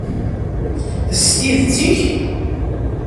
S tidet-ik?